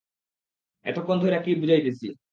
এতক্ষণ ধইরা কি বুঝাইতেছি?